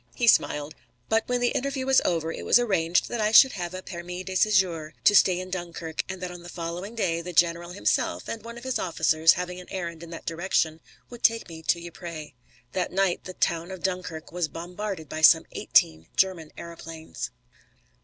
He smiled. But when the interview was over it was arranged that I should have a permis de séjour to stay in Dunkirk, and that on the following day the general himself and one of his officers having an errand in that direction would take me to Ypres. That night the town of Dunkirk was bombarded by some eighteen German aëroplanes.